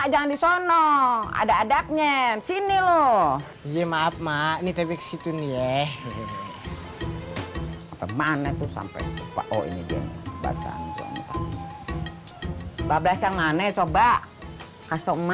kasih tau mak